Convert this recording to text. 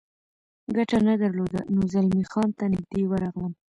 ګټه نه درلوده، نو زلمی خان ته نږدې ورغلم.